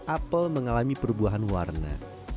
apel mengalami perubahan warna